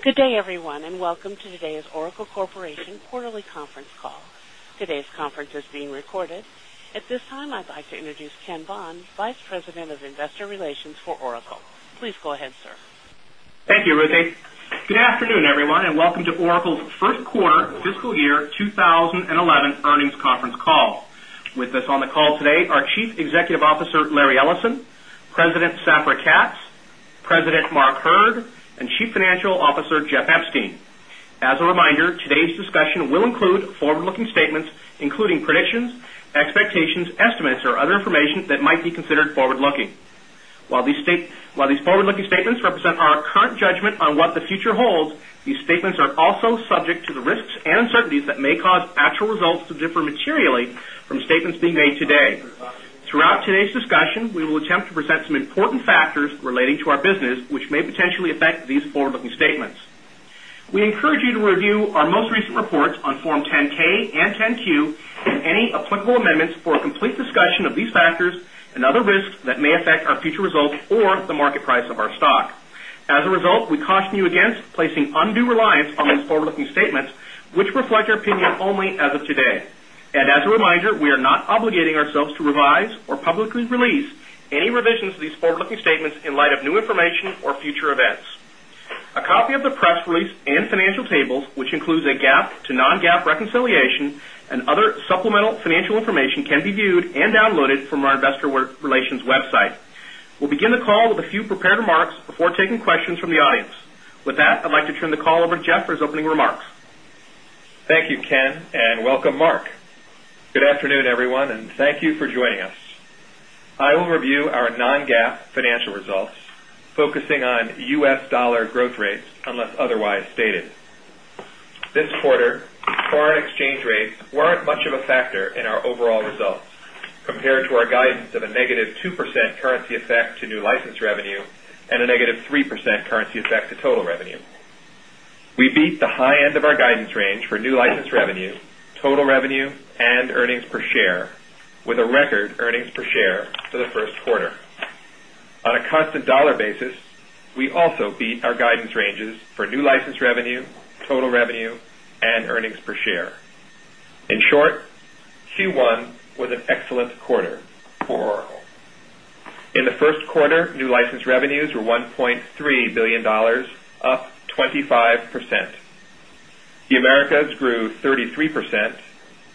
Good day, everyone, and welcome to today's Oracle Corporation Quarterly Conference Call. Today's conference is being recorded. At this time, I'd like to introduce Ken Baughn, Vice President of Investor Relations for Oracle. Please go ahead, sir. Thank you, Ruthie. Good afternoon, everyone, and welcome to Oracle's Q1 fiscal year 2011 earnings conference call. With us on the call today are Chief Executive Officer, Larry Ellison Ellison President, Safra Katz President, Mark Hurd and Chief Financial Officer, Jeff Epstein. As a reminder, today's discussion will include forward looking statements, including predictions, expectations, estimates or other information that might be considered forward looking. While these forward looking statements represent our current judgment on what the future holds, these statements are also subject to the risks and uncertainties that may cause actual results to differ materially from statements being made today. Throughout today's discussion, we will attempt to present some important factors relating to our business, which may potentially affect these forward looking statements. We encourage you to review our most recent reports on Form 10 ks and 10 Q and any applicable amendments for a discussion of these factors and other risks that may affect our future results or the market price of our stock. As a result, we caution you against placing undue reliance on these forward looking statements, which reflect our opinion only as of today. And as a reminder, we are not obligating ourselves to revise or publicly release any revisions to these forward looking statements in light of new information or future events. A copy of the press release and financial tables, which includes a GAAP to non GAAP reconciliation and other supplemental financial information can be viewed and downloaded from our Investor Relations website. We'll begin the call with a few prepared remarks before taking questions from the audience. With that, I'd like to turn the call over to Jeff for his opening remarks. Thank you, Ken, and welcome, Mark. Good afternoon, everyone, and thank you for joining us. I will review our non GAAP financial results focusing on U. S. Dollar growth rates unless otherwise stated. This quarter, foreign exchange rates weren't much of a factor in our overall results compared to our guidance of a negative 2% currency effect to new license revenue and a negative 3 percent currency effect to total revenue. We beat the high end of our guidance range for new license revenue, total revenue and earnings per share with a record earnings per share for the Q1. On a constant dollar basis, we also our guidance ranges for new license revenue, total revenue and earnings per share. In short, Q1 was an excellent quarter. For Oracle. In the Q1, new license revenues were $1,300,000,000 up 25%. The Americas grew 33%,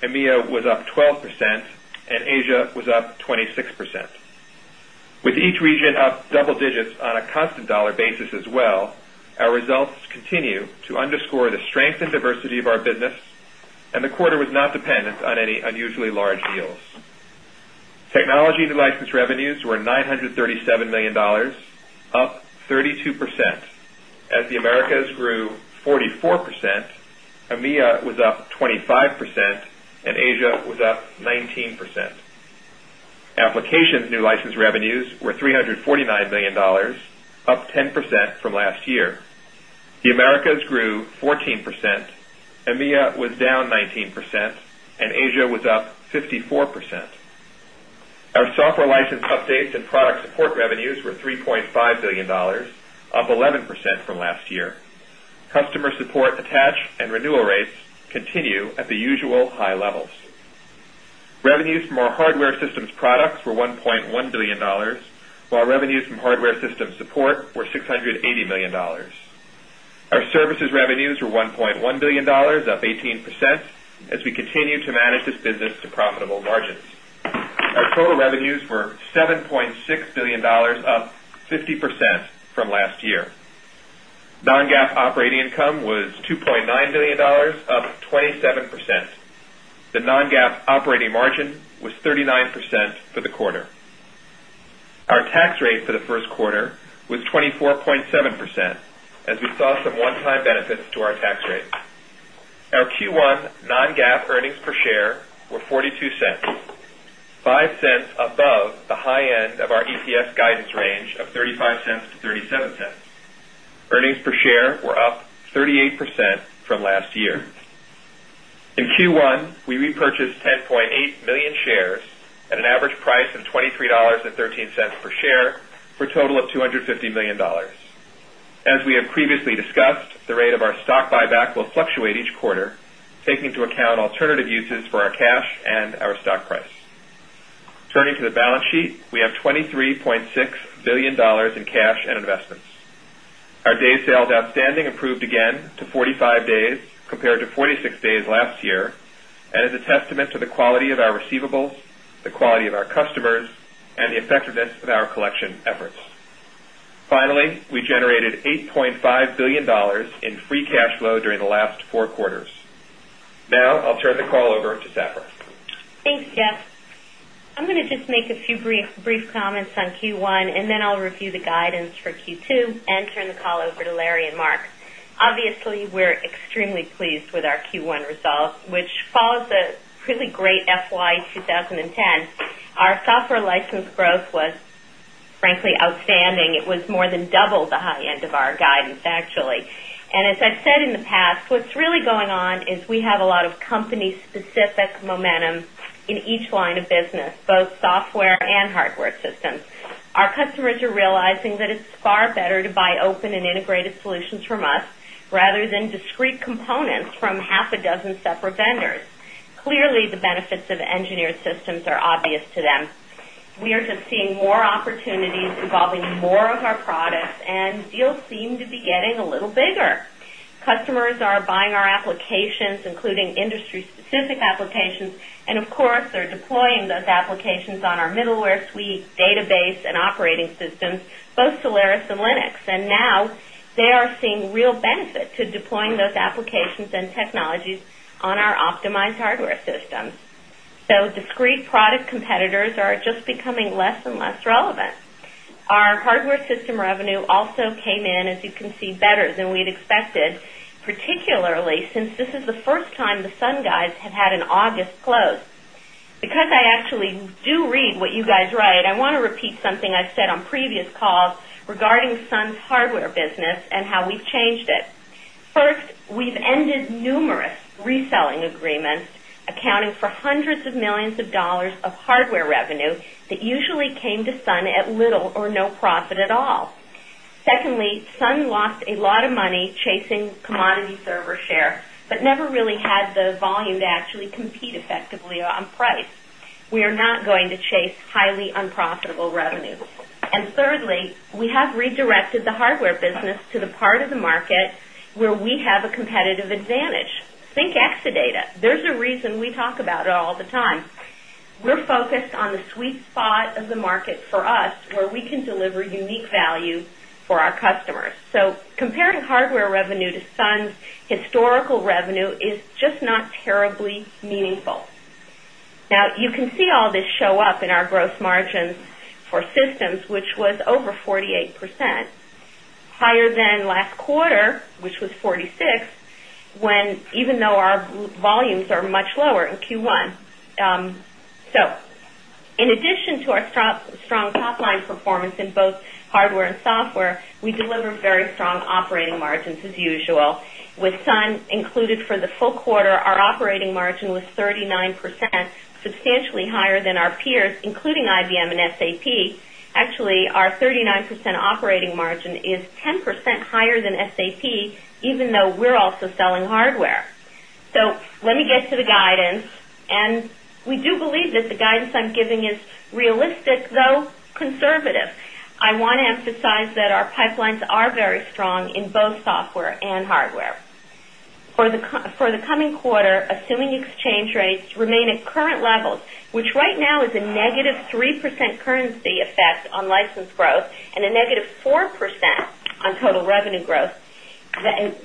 EMEA was up 12% and Asia was up 26%. With each region up double digits on a constant dollar basis as well, our results continue to underscore the strength and diversity of our business and the quarter was not dependent on any unusually large deals. Technology and license revenues were $937,000,000 up 32%. As the Americas grew 44%, EMEA was up 25% and Asia was up The Americas grew 14%, EMEA was down 19% and Asia was up 54%. Our software license updates and product support revenues were $3,500,000,000 up 11% from last year. Customer support attach and renewal rates continue at the usual high levels. Revenues from our hardware systems products were $1,100,000,000 while from hardware systems support were $680,000,000 Our services revenues were $1,100,000,000 up 18% as we continue to manage this business to profitable margins. Our total revenues were $7,600,000,000 up 50 up 50% from last year. Non GAAP operating income was $2,900,000,000 up 27%. The non GAAP operating margin was 39% for the quarter. Our tax rate for the Q1 was 24.7% as we saw some one time benefits to our tax rate. Our Q1 non GAAP earnings per share were 0 point 42 dollars 0 point 5 dollars above the high end of our EPS EPS guidance range of $0.35 to $0.37 Earnings per share were up 38% from last year. In Q1, we repurchased 10,800,000 shares at an average price of $23.13 per share for total of $250,000,000 As we have previously discussed, the rate of our stock buyback will fluctuate each quarter, taking into account alternative uses for our cash and our stock price. Turning to the balance sheet, we have $23,600,000,000 in cash and investments. Our days sales outstanding improved again to 45 days compared to 46 days last year and is a is a testament to the quality of our receivables, the quality of our customers and the effectiveness of our collection efforts. Finally, we generated 8 point $5,000,000,000 in free cash flow during the last four quarters. Now, I'll turn the call over to Saffron. Thanks, Jeff. I'm going to just make a few brief comments on Q1 and then I'll review the guidance for Q2 and turn the call over to Larry and Mark. Obviously, we're extremely pleased with our Q1 results, which follows a really great FY 2010. Our software license growth was frankly outstanding. It was more than double the high end of our guidance actually. And as I've said in the past, what's really going on is we have a lot of company specific momentum in each line of business, both software and hardware systems. Our customers are realizing that it's far better to buy open and integrated solutions from us rather than discrete components from half a dozen separate vendors. Clearly, the benefits of engineered systems are obvious to them. We are just seeing more opportunities involving more of our products and deals seem to be getting a little bigger. Customers are buying our applications, including industry specific applications. And of course, they're deploying those applications on our middleware suite, database and operating systems, both Solaris and Linux. And now they are seeing real benefit to deploying those applications and technologies and technologies on our optimized hardware systems. So discrete product competitors are just becoming less and less relevant. Our hardware system revenue also came in as you can see better than we'd expected, particularly since this is the first time the Sun guys have had an August close. Because I actually do read what you guys write, I want to repeat something I've said on previous calls regarding Sun's hardware business and how we've changed it. First, we've ended numerous reselling agreements accounting for 100 of 1,000,000 of dollars of hardware revenue that usually came to Sun at little or no profit at all. Secondly, Sun lost a lot of money chasing commodity server share, but never really had the volume to actually compete effectively on price. We are not going to chase highly unprofitable revenue. And thirdly, we have redirected hardware business to the part of the market where we have a competitive advantage. Think Exadata. There's a reason we talk about all the time. We're focused on the sweet spot of the market for us where we can deliver unique value for our customers. So comparing hardware revenue to SUNS historical revenue is just not terribly meaningful. Now you can see all this show up in our gross margin for systems, which was over 48%, higher than last quarter, which was 46% when even though our volumes are much lower in Q1. So in addition to our strong top line performance in both hardware and software, we delivered very strong operating margins as usual. With Sun included for the full quarter, our operating margin was 39%, substantially higher than our peers, including IBM and SAP. Actually, our 39% operating margin is 10% higher than SAP, even we're also selling hardware. So let me get to the guidance. And we do believe that the guidance I'm giving is realistic, though conservative. I want to emphasize that our pipelines are very strong in the coming quarter, assuming exchange rates remain at current levels, which right now is a negative 3% currency effect on license growth and a negative 4% on total revenue growth.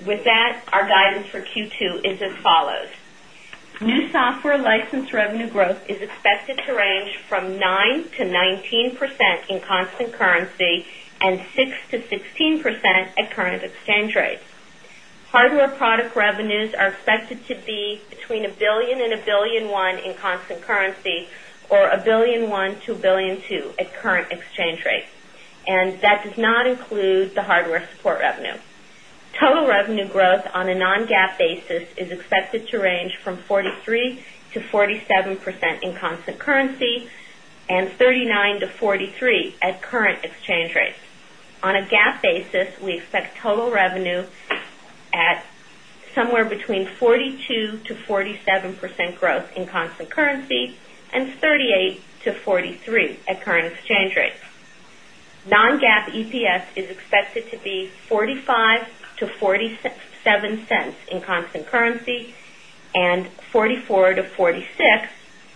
With that, our guidance for Q2 is as follows. New software license revenue growth is expected to range from 9% to 19% in constant currency and 6% to 16% at current exchange rates. Hardware product revenues are expected to be between $1,000,000,000 and $1,100,000,000 in constant currency or $1,100,000,000 to $1,200,000,000 at current exchange rates, and that does not include the hardware support revenue. Total revenue growth on a non GAAP basis is expected to range from 43% to 47% in constant currency and 39% to 43% at current exchange rates. On a GAAP basis, we expect total revenue at somewhere between 42% to 47% growth in constant currency and 38% to dollars to dollars to 0 point 4 $7 in constant currency and $0.44 to 0 point 46 dollars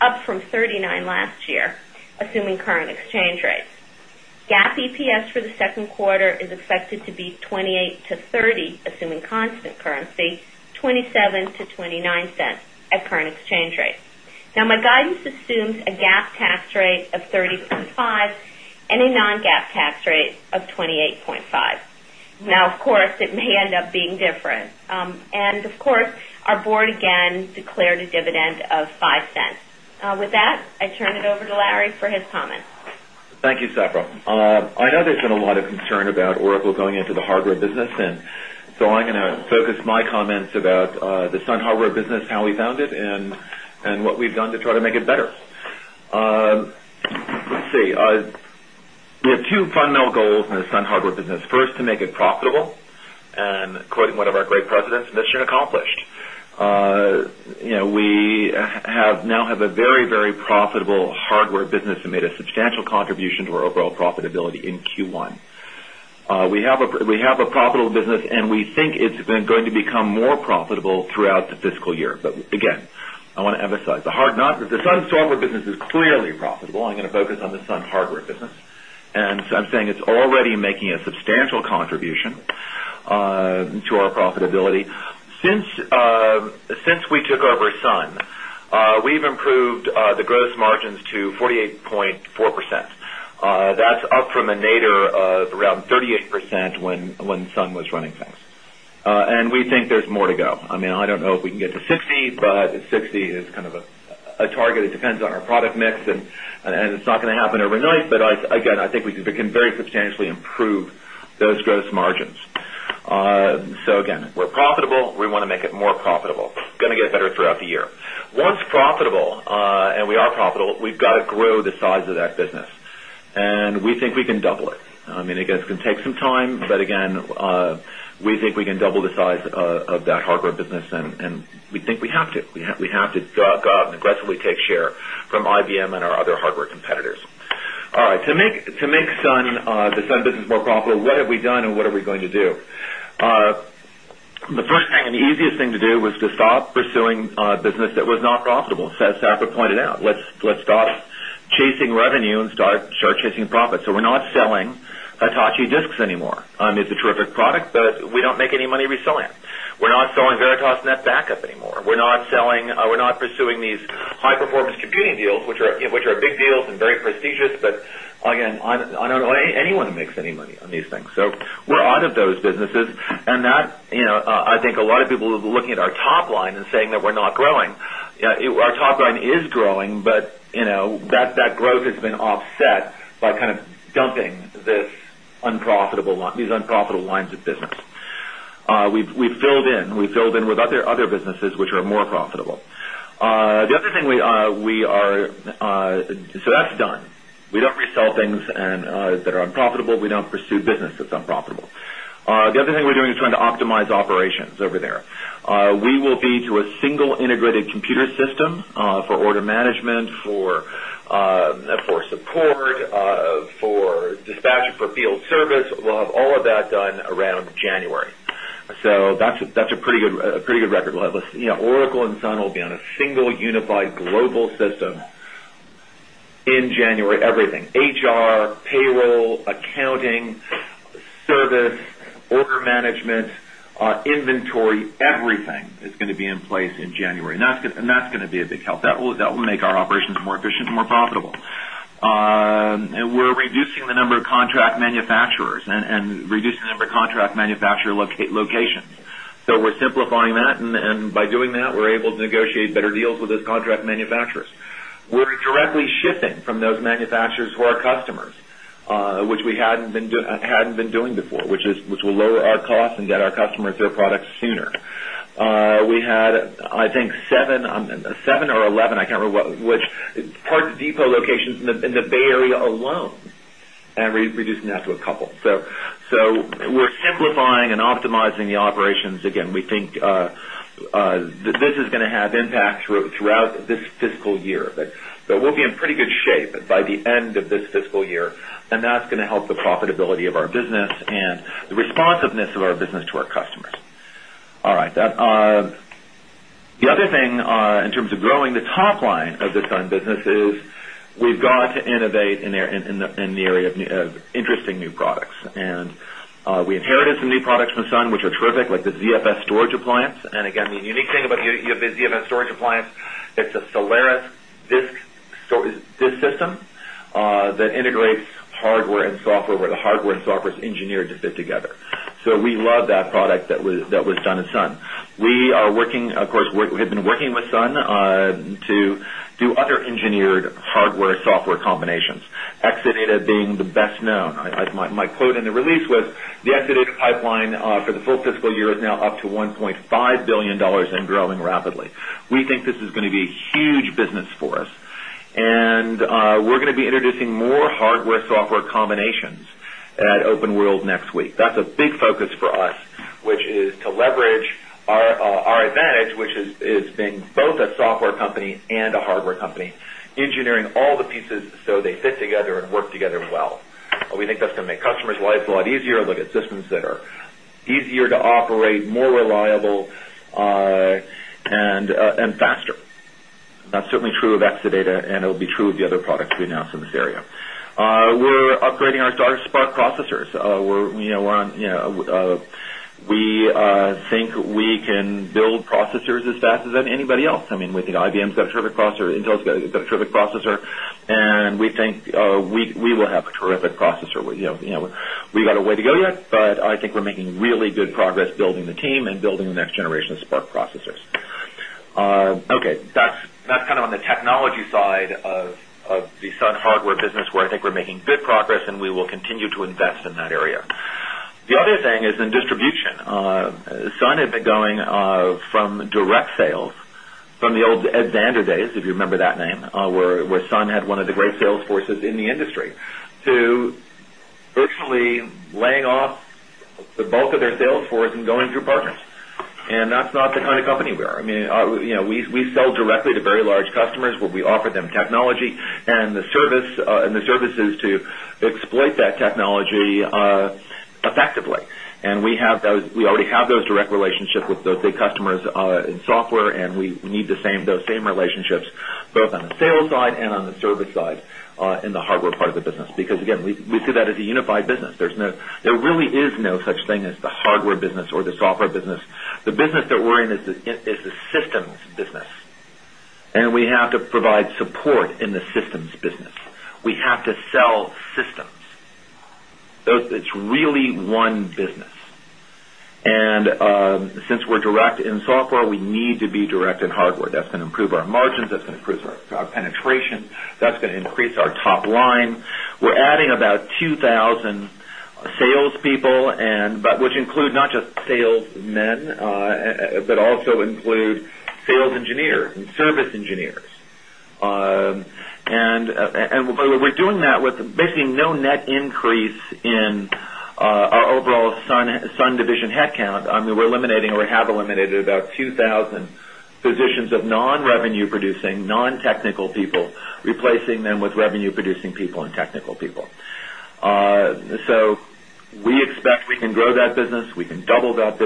up from $0.39 last year, assuming current exchange rates. GAAP EPS for the Q2 is expected to be $0.28 to $0.30 assuming constant currency, dollars 0.27 to $0.29 at current exchange rate. Now my guidance assumes a GAAP tax rate of 30.5 and a non GAAP tax rate of 28.5. Now of course, it may end up being different. And of course, our Board again declared a dividend of $0.05 With that, I turn it over to Larry for his comments. Thank you, Safra. I know there's been a lot of concern about Oracle going into the hardware business and so I'm going to focus my comments about the Sun hardware Hardware business, how we found it and what we've done to try to make it better. Let's see. We have 2 fundamental goals in the Sun Hardware business. 1st, to Hardware business. 1st, to make it profitable and quoting one of our great presidents, Mission accomplished. We have now have a very, very hardware business and made a substantial contribution to our overall profitability in Q1. We have a profitable business and we think it's been going to become more profitable throughout the fiscal year. But again, I want to emphasize the hard not the Sun software business is clearly profitable. I'm going to focus on the Sun hardware business. And I'm saying it's already making a substantial contribution to our to our profitability. Since we took over Sun, we've improved the gross margins to 48 point 4%. That's up from a nadir of around 38% when Sun was running things. And we think there's more to go. I mean, I don't know if we can get to 60, but 60 is kind of a target. It depends on our product mix and it's not going to happen overnight. But again, I think we can very substantially improve those gross margins. So again, we're profitable, we want to make it more profitable, going to get better throughout the year. Once profitable and we are profitable, we've got to grow the size of that business. And we think we can double it. I mean, I guess, it can take some time, but again, we think we can double the size of that hardware business and we think we have to. We have to aggressively take share from IBM and our other hardware competitors. All right. To make the Sun business more profitable, what have we done and what are we going to do? The first thing and the easiest thing to do was to stop pursuing business that was not profitable. As Safra pointed out, let's stop chasing revenue and start chasing profits. So we're not selling Hitachi disks anymore. It's a terrific product, but we don't make any money reselling. We're not selling Veritas Net backup anymore. We're not selling we're not pursuing these high performance computing deals, which are big deals and very prestigious. But again, I don't want anyone to make any money on these things. So, we're out of those businesses. And that I think a lot of people will be looking at our top line and saying that we're not growing. Our top line is growing, but that growth has been offset by kind of dumping these unprofitable lines of We've filled in with other businesses, which are more profitable. The other thing we are so that's done. We don't resell things that are unprofitable. We don't pursue business that's unprofitable. The other thing we're doing is trying to optimize operations over there. We will be through a single integrated computer system for order management, for support, for dispatching for field service, we'll have all of that done around January. So that's a pretty good record level. Oracle and Sun will be on a single unified global system in January, everything HR, payroll, accounting, service, order management, inventory, everything is going to be in place in January. And that's going to be a big help. That will make our operations more efficient and profitable. And we're reducing the number of contract manufacturers and reducing the number of contract manufacturer locations. So we're simplifying that. And by directly shipping from those manufacturers We had, I think, 7 or a We had, I think, 7 or 11, I can't remember which parts depot locations in the Bay Area alone and reducing that to a couple. So we're simplifying and optimizing the operations. Again, we think that this is going to have impact throughout this fiscal year. But we'll be in pretty good shape by the end of this fiscal year and that's going to help the profitability of our business and the responsiveness of our business to our customers. All right. The other thing in terms of growing the top line of the Sun business is we've got to innovate in the area of interesting new products. And we inherited some new products from Sun, which are terrific, like the ZFS storage appliance. And again, the unique thing about the ZFS storage appliance, it's a Solaris disk system that integrates hardware and software where the hardware and software is engineered to fit together. So we love that product that was done at Sun. We are working of course, we have been working with Sun to do other engineered hardware software combinations, Exadata being the best known. My quote in the release was the Exadata pipeline for the full fiscal year is now up to $1,500,000,000 and growing rapidly. We think this is going to be a huge business for us. And we're going to be introducing more hardware software combinations at OpenWorld next week. That's a big focus for us, which is to leverage our advantage, which is being both a software company and a hardware company, engineering all the pieces, so they fit together and work together well. And we think that's going to make customers' lives a lot easier, look at systems that are easier to operate, more reliable and faster. That's certainly true of Exadata and it will be true of the other products we announced in this area. We're upgrading our Spark processors. We think we can build processors as fast as anybody else. I mean, we think IBM has got a terrific processor, Intel has got a terrific processor. And we think we will have a terrific processor. We got a way to go yet, but I think we're making really good progress building the team and building the next generation of Spark processors. Okay. That's kind of on the technology side of the Sun hardware business where I think we're making good progress and we will continue to invest in that area. The other thing is in distribution. Sun had been going from direct sales from the old Ed Zander days, if you remember that name, where Sun had one of the great sales forces in the industry to virtually laying off the bulk of their sales force and going through partners. And that's not the kind of company we're. I mean, we sell directly to very large customers where we offer them technology and the services to exploit that technology effectively. And we have those we already have those direct relationship with the customers in software, and we need the same those same relationships both on the sales side and on the service side in the hardware part of the business because, again, we see that as a unified business. There's no there really is no such thing as the hardware business or the software business. The business that we're in is the systems business. And we have to provide support in the systems business. We have to sell systems. It's really one business. And since we're direct in software, we need to be direct in hardware. That's going to improve our margins, that's going to improve our penetration, that's going to increase our top line. We're adding about 2,000 salespeople and but which include not just salesmen, but also include sales engineers and service engineers. And we're doing that with basically no net increase in our overall Sun technical replacing them with revenue producing people and technical people. So, we expect we can grow that business, we can double that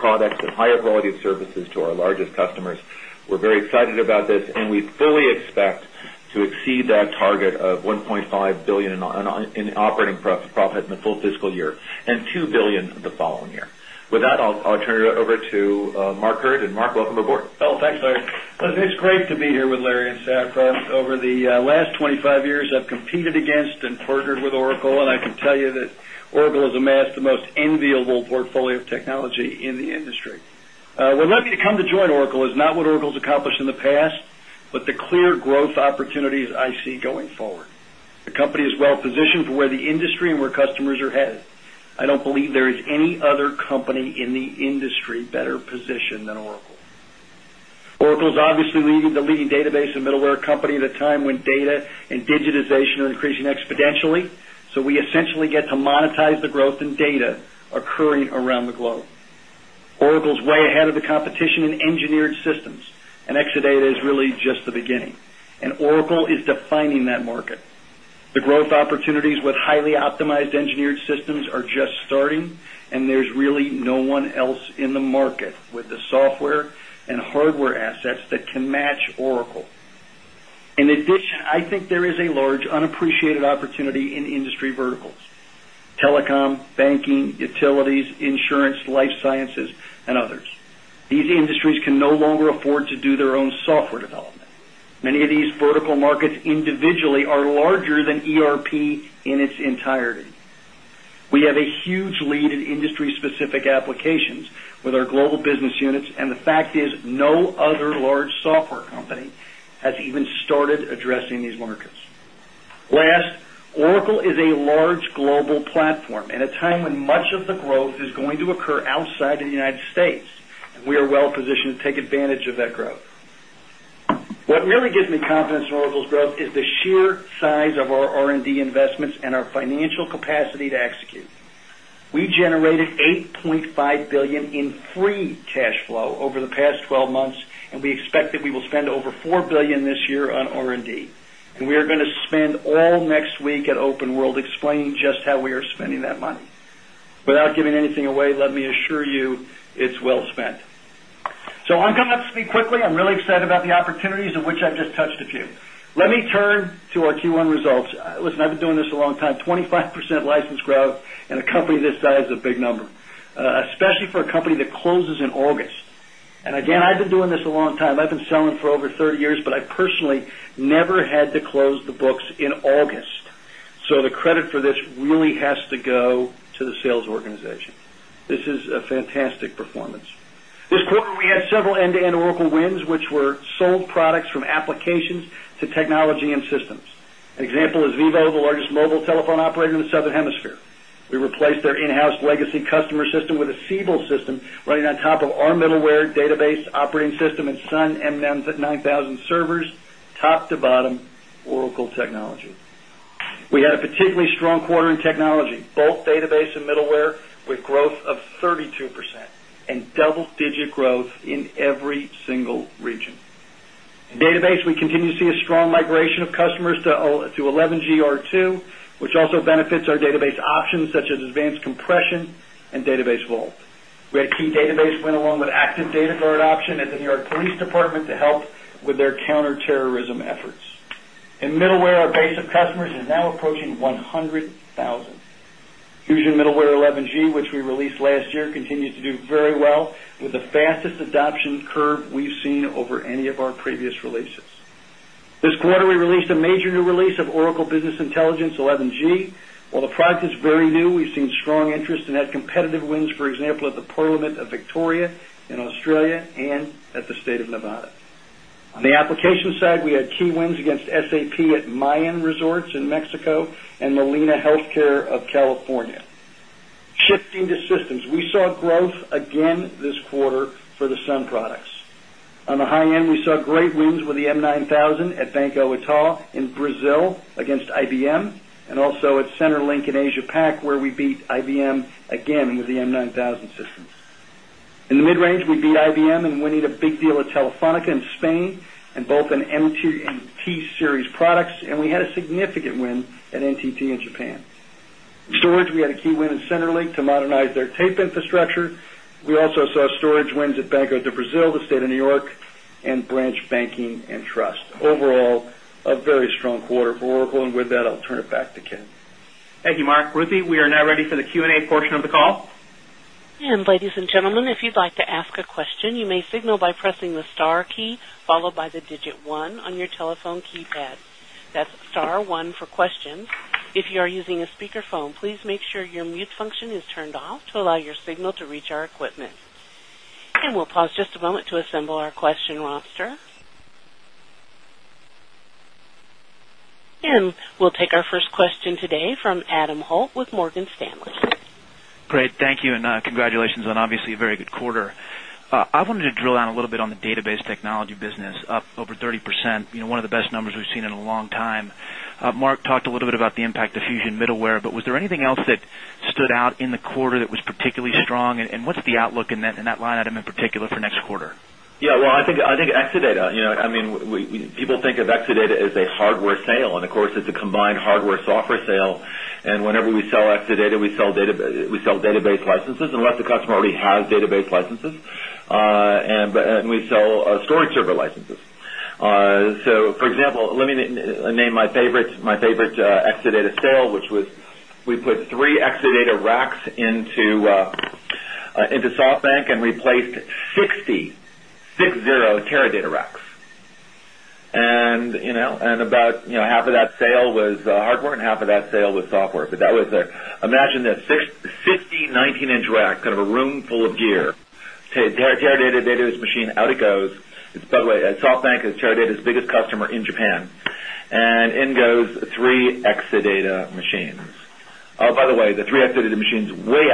quality of services to our largest customers. We're very excited about this and we fully expect to exceed that target of 1.5 billion in operating profit in the full fiscal year and CAD2 1,000,000,000 the following year. With that, I'll turn it over to Mark Gerd. And Mark, welcome aboard. Thanks, Larry. It's great to be here with Larry and Safra. Over the last 20 5 years, I've competed against and partnered with Oracle and I can tell you that Oracle has amassed the most enviable portfolio of technology in the industry. What led me to come to join Oracle is not what Oracle has accomplished in the past, but the clear growth opportunities I see going forward. The company is well positioned for where the industry and where customers are headed. I don't believe there is any other company in the industry better positioned than Oracle. Oracle is obviously leading the leading database and middleware company at a time when data and digitization are increasing exponentially. So we essentially get to monetize the growth in data occurring around the globe. Oracle is way ahead of the competition in engineered systems and Exadata is really just the beginning. And Oracle is defining that market. The growth opportunities with highly optimized engineered systems are just starting and there's really no one else in the market with the software and hardware assets that can match Oracle. In addition, I think there is a large a large longer afford to do their own software development. Many of these vertical markets individually are larger than ERP in ERP the fact is no other large software company has even started addressing these markets. Last, Oracle is a large global platform and a time when much of the growth is going to occur outside of the United States. We are well positioned to take advantage of that growth. What really gives me confidence in Oracle's growth is the sheer size of our R and D investments and our financial capacity to execute. We generated $8,500,000,000 in free cash flow over the past 12 months and we expect that we will spend over $4,000,000,000 this year on R and D. And we are going to spend all next week at Open World explaining just how we are spending that money. Without giving anything away, let me assure you it's well spent. So I'm going to speak quickly. I'm really excited about the opportunities of which I've just touched a few. Let me turn to our Q1 results. Listen, I've been doing this a long time, 25% license growth and a company this size is a big number, especially for a company that closes in August. And again, I've been doing this a long time. I've been selling for over 30 years, but I personally never had to close the books in August. So the credit for this really has to go to the sales organization. This is a fantastic performance. This quarter, we had several end to end Oracle wins, which were sold products from applications to technology and systems. An example is Vivo, the largest mobile database operating system at Sun M and M's at 9,000 servers, top to bottom Oracle technology. We had a a particularly strong quarter in technology, both database and middleware with growth of 32% and double digit growth in every single region. In database, we continue to see a strong migration of customers to 11GR2, which also benefits our database options such as advanced compression and database vault. We had key database went along with active data guard option at the New York Police Department to help with their counter year, continues to do very well with the fastest adoption curve we've year continues to do very well with the fastest adoption curve we've seen over any of our previous releases. This quarter, we released a major new release of Oracle Business Intelligence 11 gs. While the On the application side, we had key wins against SAP at Mayan Resorts in Mexico and Molina Healthcare of California. Shifting to systems. We saw growth again this quarter for the Sun products. On the high end, we saw great wins with the M9000 at Banco Ital in Brazil against IBM and also at Centerlink in Asia Pac where we beat IBM again with the M9000 systems. In the mid range, we beat IBM and winning a big deal at Telefonica in Spain and both MT We also saw storage wins at Banco DO Brasil, the State of New York and Branch Banking and Trust. Overall, a very strong quarter for Oracle. And with that, I'll turn it back to Ken. Thank you, Mark. Ruthie, we are now ready for the Q and A portion of the call. And we'll take our first question today from Adam Holt with Morgan Stanley. Great. Thank you and congratulations on obviously a very good quarter. I wanted to drill down a little bit on the database technology business up over 30%, one of the best numbers we've seen in a long time. Mark talked a little bit about the impact of Fusion Middleware, but was there anything else that stood out in the quarter that was particularly strong? And what's the outlook in that line item in particular for next quarter? Yes. Well, I think Exadata, I mean, people think of Exadata as a hardware sale. And of course, it's a combined hardware software sale. And whenever we sell Exadata, we sell database licenses unless the customer has database licenses and we sell storage server licenses. So for example, let me name my favorite Exadata sale, which was we put 3 Exadata Racks into SoftBank and replaced 60 Teradata Racks. And about half of that sale was hardware and half of that sale was software. But that was there. Imagine that 50 19 inches rack, kind of a room full of gear. Teradata, data to this machine, out it goes. It's by the way, SoftBank is Teradata's biggest customer in Japan. And in goes 3 Exadata machines. By the way, the 3 Exadata machines way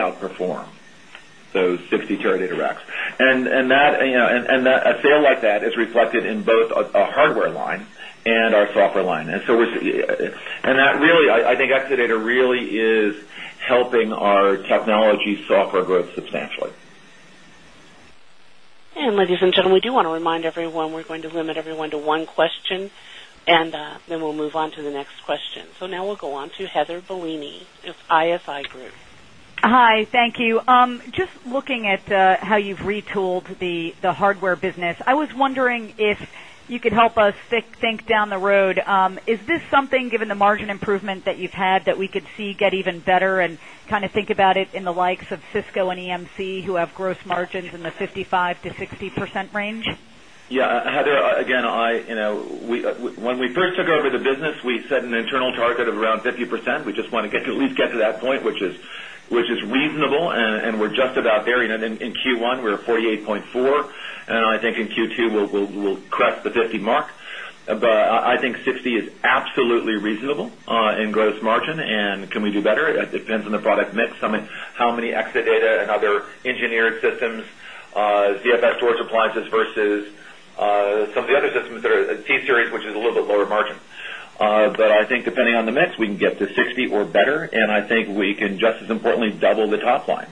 our hardware line and our software line. And so we're and that really I think Exadata really is helping our technology software growth substantially. And ladies and gentlemen, we do want to remind everyone we're going to limit everyone to one question and then we'll move on to the next question. So now we'll go on to Heather Bellini of ISI Group. Hi, thank you. Just looking at how you've retooled the hardware business, I was wondering if you could help us think down the road. Is this something given the margin improvement that you've had that we could see get even better and kind of think about it in the likes of Cisco and EMC who have gross margins in the 55% to 60% range? Yes. Heather, again, I when we first took over the business, we set an internal target of around 50%. We just want to get to at least get to that point, which is reasonable and we're just about there. And then in Q1, we're at 48.4%. And I think in Q2, we'll the 50% mark. But I think 60% is absolutely reasonable in gross margin. And can we do better? It depends on the product mix. I mean, how many Exadata and other engineered systems, CFS storage appliances versus some of the other systems that are T Series, which is a little bit lower margin. But I think depending on the mix, we can get to 60 or better. And I think we can just as importantly double the top line.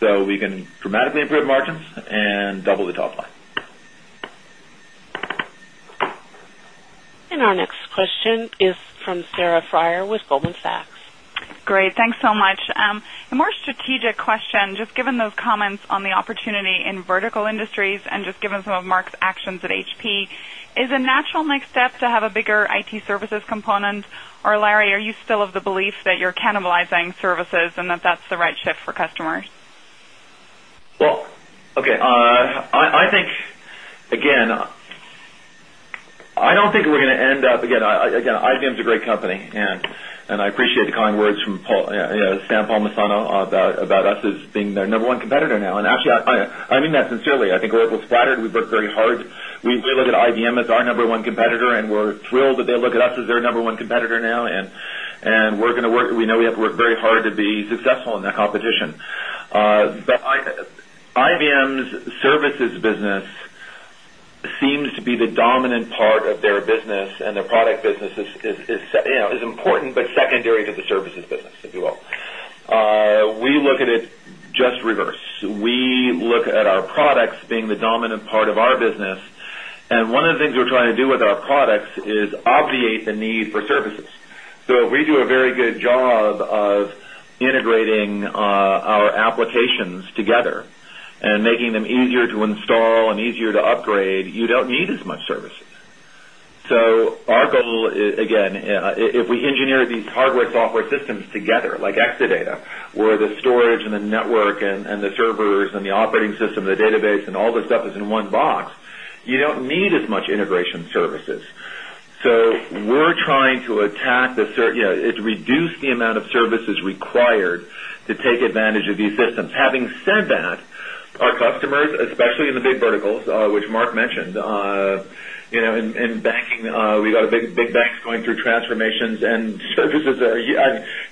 So we can dramatically improve margins and double the top line. And our next question is from Sarah Friar with Goldman Sachs. Great. Thanks so much. A more strategic question, just given those comments on the opportunity in vertical industries and just given some of Mark's actions at HP, is a natural next step to have a bigger IT services component? Or Larry, are you still of the belief that you're cannibalizing services and that that's the right shift for customers? Well, okay. I think, again, I don't think we're going to end up again IBM is a great company and I appreciate the kind words from Sam Palmisano about us as being their number one competitor now. And actually, I mean that sincerely. I think Oracle is splattered. We've worked very hard. We look at IBM as our number one competitor and we're thrilled that they look at us as their number one competitor now. And we know we have to work very hard to be successful in that competition. But IBM's services business seems to be the dominant part of their business and their product business is important, but secondary to the services business, if you will. We look at it just reverse. We look at our products being the dominant part of our business. And one of the things we're trying to do with our products is obviate the need for services. So we do a very good job of integrating our applications together and making them easier to install and easier to upgrade, you don't need as much services. So our goal again, if we engineer these hardware software systems database and all this stuff is in one box, you don't need as much integration services. So we're trying to attack the yes, it's reduced the amount of services required to advantage of these systems. Having said that, our customers, especially in the big verticals, which Mark mentioned, in banking, we've got a big banks going through transformations and services.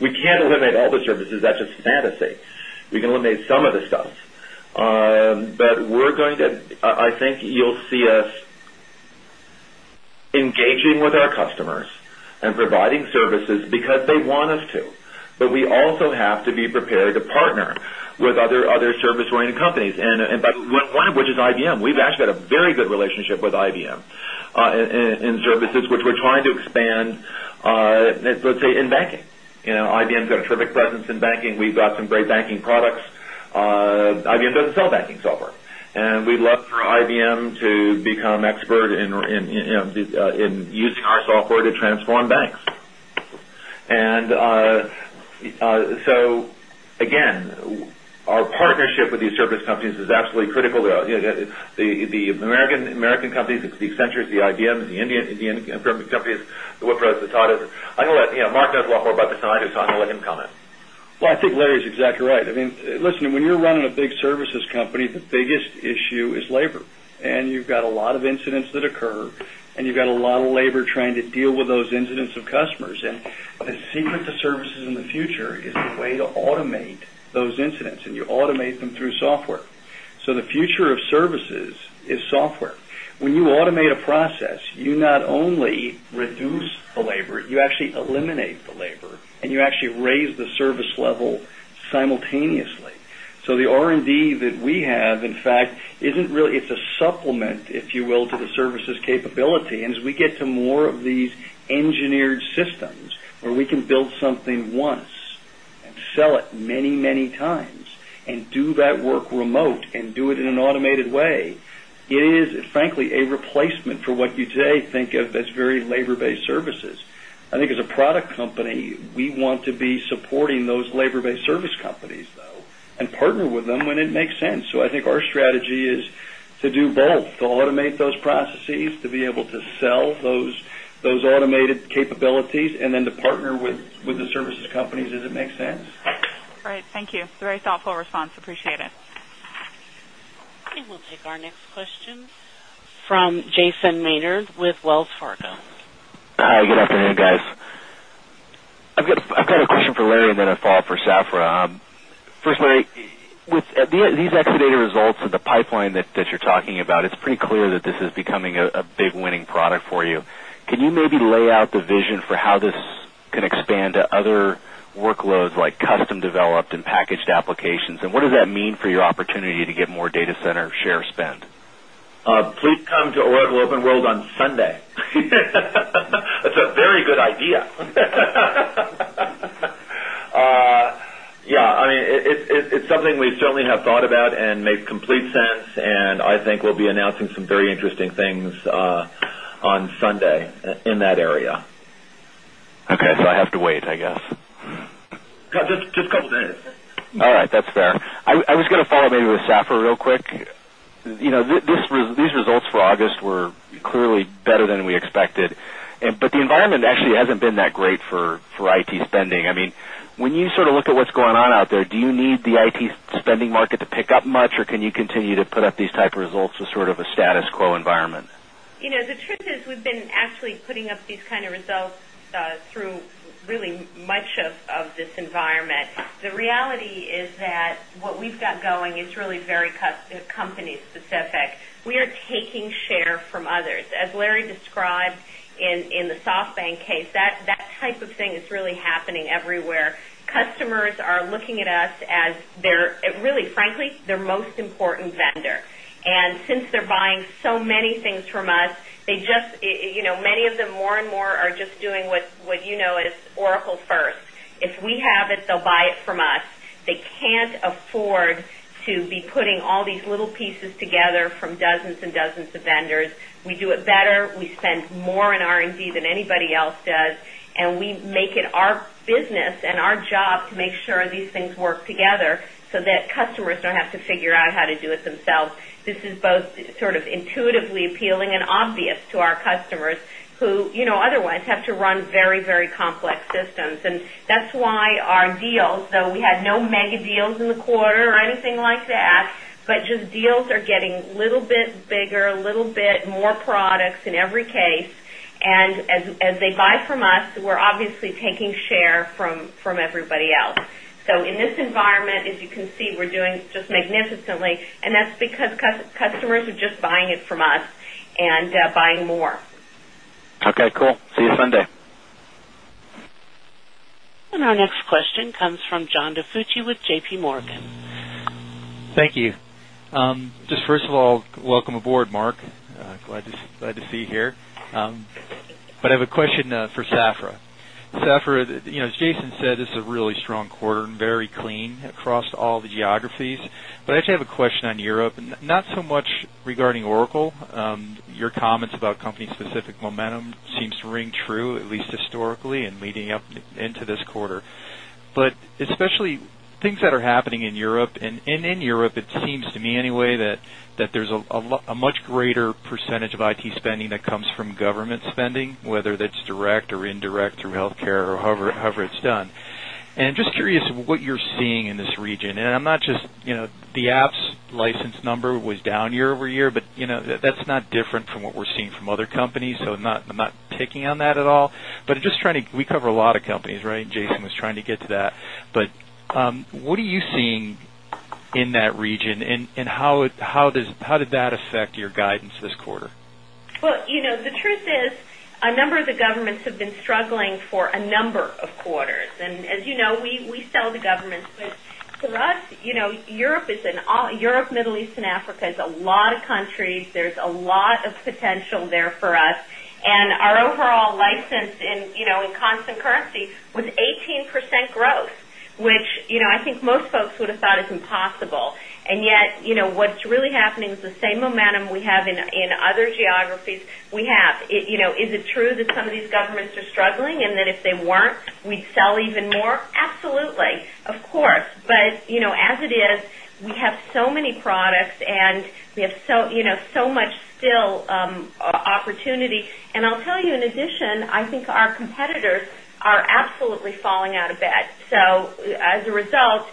We can't eliminate all the services. That's just fantasy. We can eliminate some of the stuff. But we're going to I think you'll see us engaging with our customers and providing services because they want us to, but we also have to be prepared to partner with other service oriented companies and point of which is IBM. We've actually got a very good relationship with IBM in services, which we're trying to expand, let's say, in banking. IBM's got a terrific presence in banking. We've got some great banking products. IBM doesn't sell banking software. And we'd love for IBM to become expert in using our software to transform banks. And so again, Accenture, the IBM, the Indian companies, the Woodford has taught us. I will let Mark does a lot more about this and I'll let him comment. Well, I think Larry is exactly right. I mean, listen, when you're running a big services company, the biggest issue is labor. And you've got a lot of incidents that occur and you've got a lot of labor trying to deal with those incidents of customers and the secret to services in the future is the way to automate those incidents and you automate them through software. So the future of the service level simultaneously. So the R and D that we have in fact isn't really it's a supplement if you will to the services capability and as we get to more of these engineered systems where we can build something once and sell it many, many times and do that work remote and do it in an automated way, it is frankly a replacement for what you today think of as very labor based services. I think as a product company, we want to be supporting those labor based service companies and partner with them when it makes sense. So I think our strategy is to do both, to automate those processes, to be able to sell those automated capabilities and then to partner with the services company as it makes sense. Great. Thank you. Very thoughtful response. Appreciate it. And we'll take our next question from Jason Maynard with Wells Fargo. Hi, good afternoon guys. I've got a question for Larry and then a follow-up for Safra. First Larry, with these expedited results of the pipeline that you're talking about, it's pretty clear that this is becoming a big winning product for you. Can you maybe lay out the vision for how this can expand to other workloads like custom developed and packaged applications? And what does that mean for your opportunity to get more data center share spend? Please come to Oracle Open World on Sunday. That's a very good idea. Yes, I mean it's something we certainly have thought about and made complete sense and I think we'll be announcing some very interesting things on Sunday in that area. Okay. So I have to wait, I guess. Just go to Vegas. All right. That's fair. I was going to follow-up maybe with SAFR real quick. These results for August were clearly better than we expected, but the environment actually hasn't been that great for IT spending. I mean, when you sort of look at what's going on out there, do you need the IT spending market to pick up much? Or can you continue to put up these type of results to sort of a status quo environment? The truth is we've been actually putting up these kind of results through really much of this environment. The reality is that what we've got going is really very company specific. We are taking share from others. As Larry described in the SoftBank case, that type of thing is really happening everywhere. Customers are looking at us as their most important vendor. And since they're buying so many things from us, they just many of them more and more are just doing what you know is Oracle first. If we have it, they'll buy it from us. They can't from dozens and dozens of vendors. We do it better. We spend more in R and D than anybody else does. And we make it our business and our job to make sure these things work together so that customers don't have to figure out how to do it themselves. This is both sort of intuitively appealing and obvious to our customers who otherwise have to run very, very complex systems. And in every case. And as they buy from us, we're obviously taking share from everybody else. So in this environment, as you can see, we're doing just magnificently. And that's because customers are just buying it from us and buying more. Okay, cool. See you Sunday. And our next question comes from John DiFucci with JPMorgan. Thank you. Just first of all welcome aboard Mark. Glad to see you here. But I have a question for Safra. Safra, as Jason said, it's a really strong quarter and very clean across all the geographies. But I actually have a question on Europe and not so much regarding Oracle. Your comments about company specific spending that comes from government spending, whether that's direct or indirect through healthcare or however it's done. And just curious what you're seeing in this region? And I'm not just the apps license number was down year over year, but that's not different from what we're seeing from other companies. So I'm not picking on that at all. But we cover a lot of companies, right? Jason was trying to get to that. But what are you seeing in that region? And how did that affect your guidance this quarter? Well, the truth is a number of the governments have been struggling for a number of quarters. And as you know, we sell the government. But for us, Europe is in Europe, Middle East and Africa is a lot of countries. There's a lot of potential there for us. And our overall license in constant currency was 18% growth, which I think most folks would have thought is impossible. And yet, what's really happening is the same momentum we have in other geographies we have. Is it true that some of these governments are struggling and that if they weren't, we'd sell even more? Absolutely, of course. But as it is, we have so many products and we have so much still opportunity. And I'll tell you in addition, I think our competitors are absolutely falling out of bed. So as a result,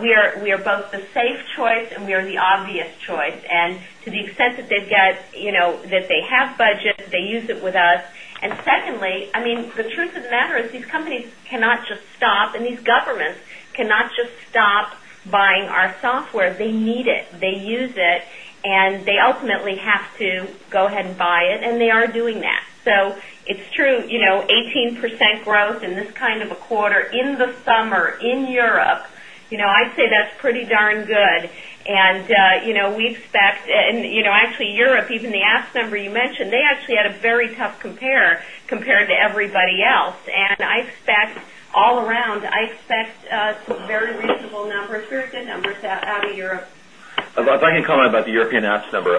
we are both the safe choice and we are the obvious choice. And to the extent that they've got that they have budget, they use it with us. And secondly, I mean, the truth of the matter is these companies cannot just stop and these governments cannot just stop buying our software. They need it. They use it and they ultimately have to go ahead and buy it and they are doing that. So it's true, 18% growth in this kind of a quarter in the summer in Europe, I say that's pretty darn good. And we expect and actually Europe, even the ask number you mentioned, they actually had a very tough compared to everybody else. And I expect all around, I expect some very reasonable numbers, European numbers out of Europe. If I can obviously, in Europe. If I can comment about the European apps number,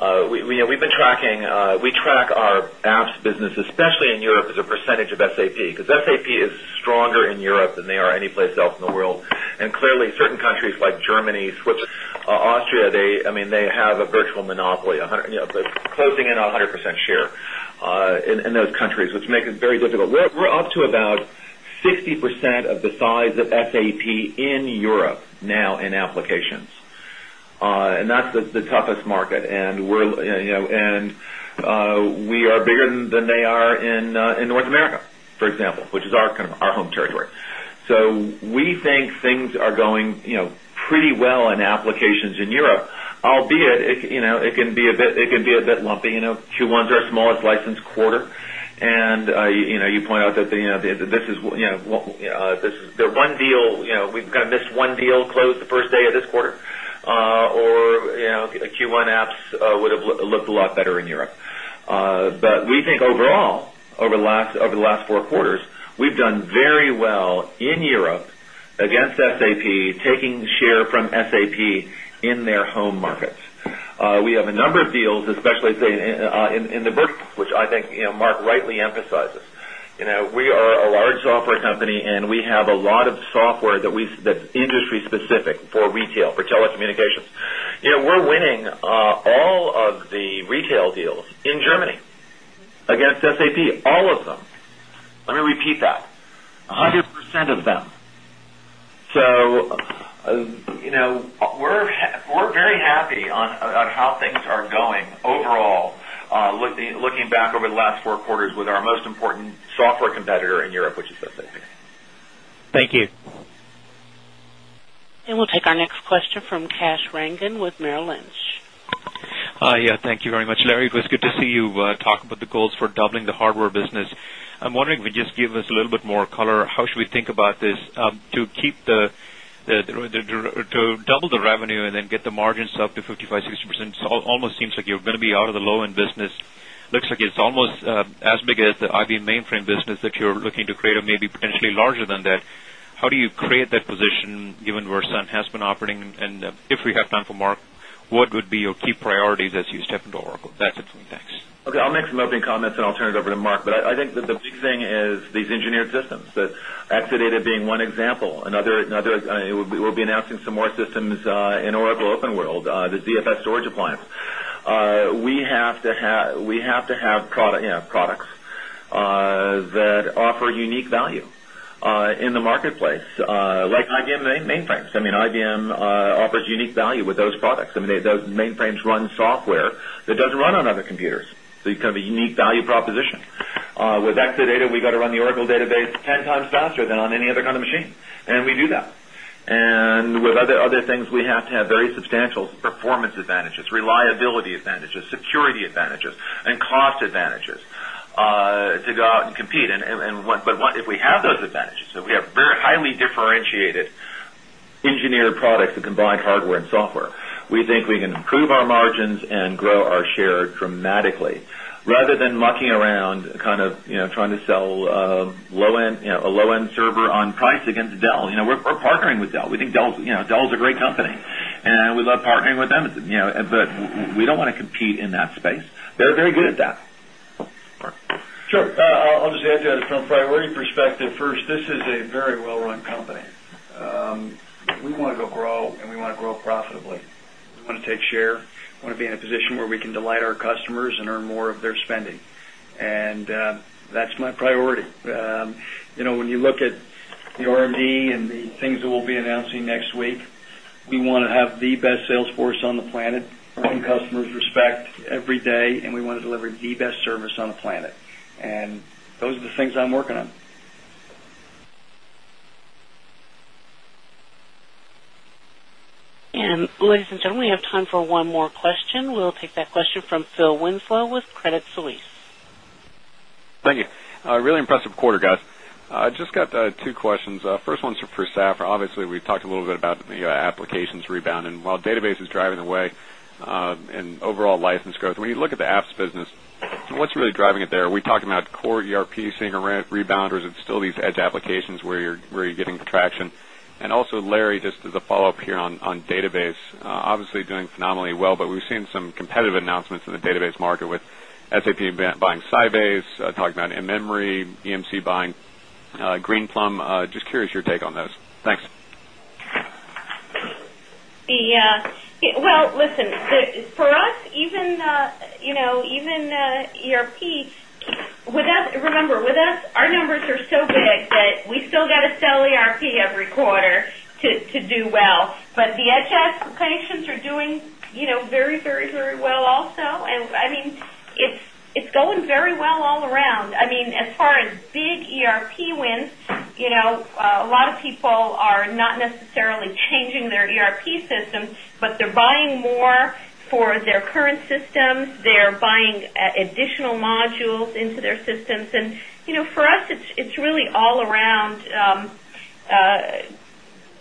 we've been tracking we track our apps business, especially in Europe as a percentage of SAP because SAP is stronger in Europe than they are any place else in the world. And clearly certain countries like Germany, Switzerland, Austria, they I mean they have a virtual monopoly, closing in on 100% share in those countries, which makes it very difficult. We're up to about 60% of the size of SAP in Europe now in applications. And that's the toughest market and we are bigger than they are in North America for example, which is kind of our home territory. So, we think things are going pretty well in applications in Europe, albeit it can be a bit lumpy. Q1 is our smallest license quarter. And you point out that this is the one deal we've kind of missed one deal closed the 1st day of this quarter or Q1 apps would have looked a lot better in Europe. But we think overall over the last four quarters, we've done very well in Europe against SAP taking share from SAP in their home markets. We have a number of deals, especially, say, in the which I think Mark rightly emphasizes. We are a large software company and we have a lot of software that's that's industry specific for retail, for telecommunications. We're winning all of the retail deals in Germany against SAP, all of them. Let me repeat that, 100% of them. So, we're very happy on how things are going overall looking back over the last four quarters with our most important software competitor in Europe, which is the same thing. Thank you. And we'll take our next question from Kash Rangan with Merrill Lynch. Yes. Thank you very much. Larry, it was good to see you talk about the goals for doubling the hardware business. I'm wondering if you could just give us a little bit more color, how should we think about this to keep the to double the revenue and then get the margins up to 55%, 60%. So almost seems like you're going to be out of the low end business. Looks like it's almost as big as the IV Mainframe business that you're looking to create or maybe potentially larger than that. How do you create that position given Versum has been operating? And if we have time for Mark, what would be your key priorities as you step into Oracle? That's it for me. Thanks. Okay. I'll make some opening comments and I'll turn it over to Mark. But I think that the big thing is these engineered systems that Exadata being one example, another we'll be announcing some more systems in Oracle Open World, the ZFS storage appliance. We have to have products that offer unique value in the marketplace like IBM mainframes. I mean IBM offers unique value with those products. I mean, those mainframes run software that doesn't run on other computers. So you kind of a unique value proposition. With Exadata, we got to run the Oracle database 10 times faster than on any other kind of machine and we do that. And with other things, we have to have very substantial performance advantages, reliability differentiated engineered products that can buy hardware and software. We think we can improve our margins and grow our share dramatically rather than mucking around kind of trying to sell a low end server on price against Dell. We're partnering with Dell. We think Dell is a great company. And we love partnering with them, but we don't want to compete in that space. They're very good at that. Sure. I'll just add to that some priority perspective. First, this is a very well run company. We want to go grow and we want to grow profitably. We want to take share, want to be in a position where we can delight our customers and earn more of their spending. And that's my priority. When you look at the R and D and the things that we'll be announcing next week, we want to have the best sales force on the planet, and customers respect every day and we want to deliver the best service on the planet. And those are the things I'm working on. And ladies and gentlemen, we have time for one more question. We'll take that question from Phil Winslow with rebound and while database is driving the way and overall license growth, when you look at the apps business, what's really driving it there? Are we talking about core ERP seeing a rebound or is it still these edge applications where you're getting traction? And also, Larry, just as a follow-up here on database, obviously doing phenomenally well, but we've seen some competitive announcements in the database market with SAP buying Sybase, talking about m memory, EMC buying Greenplum, just curious your take on those? Thanks. Well, listen, for us, even ERP, remember, with us, our numbers are so big that we still got to sell ERP every quarter to do well. But the HF patients are doing very, very, very well also. And I mean, it's going very well all around. I mean, as far as big ERP wins, a lot of people are not necessarily changing their ERP systems, but they're buying more for their current systems. They're buying additional modules into their systems. And for us, it's really all around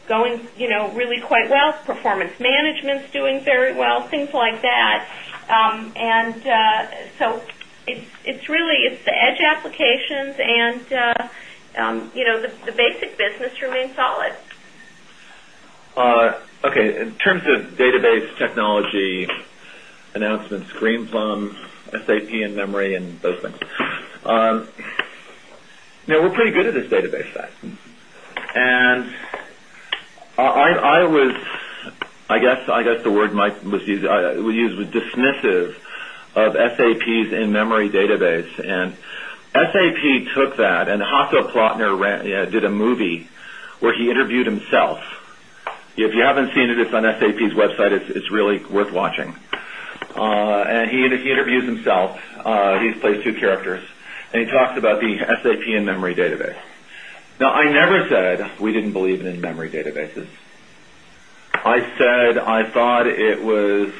going really quite well. Performance Management is doing very well, things like that. And so it's really it's the edge applications and the basic business remain solid. Okay. In terms of database technology announcements, screen plums, SAP and memory and those things. Now, we're pretty good at this database side. And I was I guess the word might was used was dismissive of SAP's in memory database. And SAP took that and Hasso Plautner did a movie where he interviewed himself. If you haven't it, it's on SAP's website, it's really worth watching. And he interviews himself. He plays 2 characters and he memory databases. I said I thought it was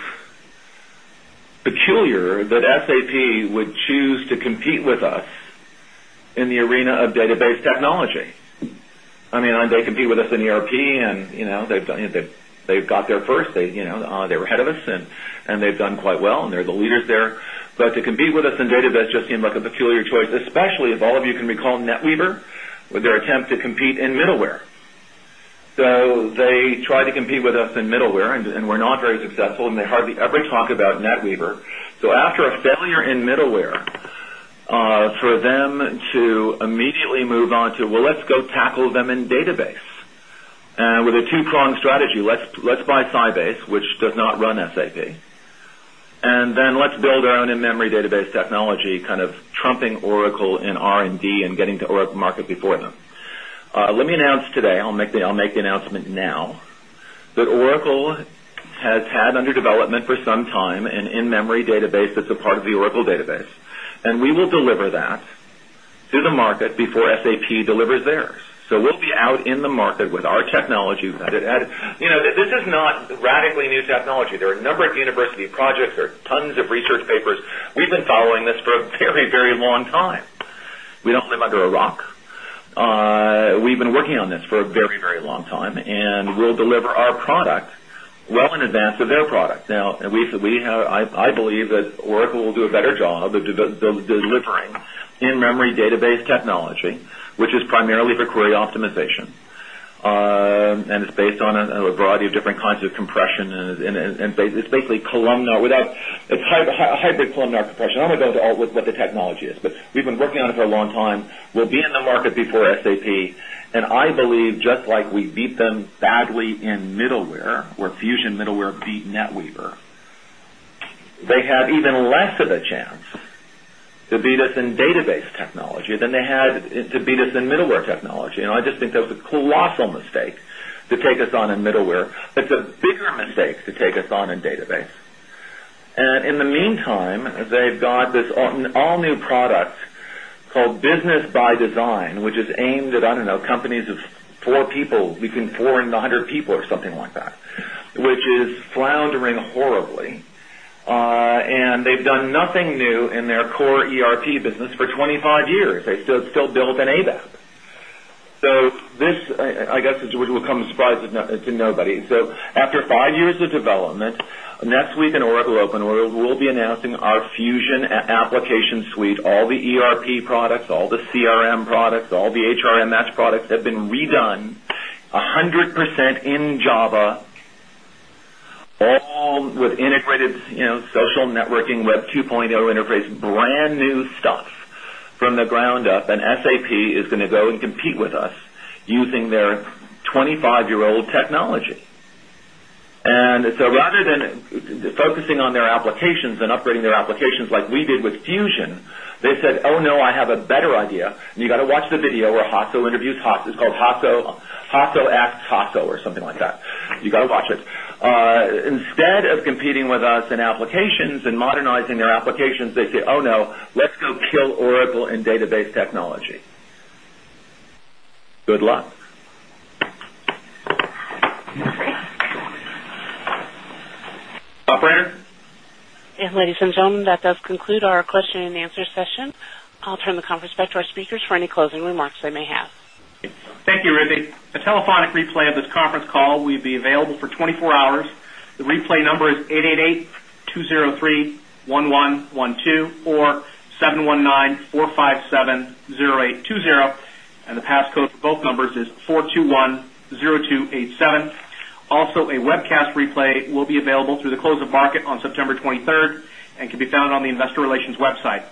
peculiar that SAP would choose to compete with us in the arena of database technology. I mean, they compete with us in ERP and they've got there first. They were ahead of us and they've done quite well and they're the leaders there. But to compete with us in data that's just seemed like a peculiar choice especially if all of you can recall NetWeaver with their attempt to compete in middleware. So, they tried to compete with us in middleware and we're not very successful and they hardly ever talk about NetWeaver. So after a failure in middleware for them to immediately move on to, well, let's go tackle them in database with a 2 pronged strategy. Let's buy Sybase, which does not run SAP. And then let's build our own in memory database technology kind of trumping Oracle in R and D and getting to Oracle market before them. Let me announce today, I'll make the announcement now that Oracle has had under development for some time an in memory database that's a part of the Oracle database and we will deliver that to the market before SAP delivers theirs. So we'll be out in the market with our technology. This is not radically new technology. There are a number of university projects. There are tons of research papers. We've been following this for a very, very long time. We don't live under a rock. Well in advance of their product. Now, we have I believe that Oracle will do a better job of delivering in memory database technology, which is primarily for query optimization. And it's based on a variety of different kinds of compression and it's basically columnar without it's hybrid columnar compression. I only go to all with what the technology is, but we've been working on it for a long time. We'll be in the market before SAP. And I believe just like we beat them badly in middleware where Fusion Middleware beat NetWeaver, they have even less of a chance to beat us in database technology than they had to beat us in middleware technology. And I just think that was a colossal mistake to take us on in middleware. It's a bigger mistake to take us on in middleware. It's a bigger mistake to take us on in database. And in the meantime, they've got this all new product called Business by Design, which is aimed at, I don't know, companies of 4 people, between 4 and the 100 people or something like that, which is floundering horribly. And they've done nothing new in their core ERP business for 25 years. They still build an ABAP. So this I guess, which will come as a surprise to nobody. So after 5 years of development, NetSuite and Ouro Open Ouro will be announcing our Fusion application suite, all the ERP products, all the CRM products, all the HRMS products have been redone, the ground up and SAP is going to go and compete with us using their 25 year old technology. And so rather than focusing on their applications and upgrading their applications like we did with Fusion, they said, Oh, no, I have a better idea. You got to watch the video where Haso interviews it's called Haso acts Haso or something like that. You got to watch it. Instead of competing with us in applications and modernizing their applications, they say, oh, no, let's go kill Oracle and database technology. Good luck. Operator? And ladies and gentlemen, that does conclude our question and answer session. Turn the conference back to our speakers for any closing remarks they may have. Thank you, Riddhi. A telephonic replay of this conference call will be available for 24 hours. The replay number is 888-203-1112 or 719-457-0820 and the passcode for Relations website. Please call the Investor Relations website.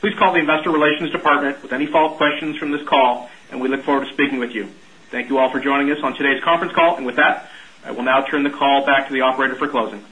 Please call the Investor Relations department with any follow-up questions from this call and we look forward to speaking with you. Thank you all for joining us on today's conference call. And with that, I will now turn the call back to the operator for closing.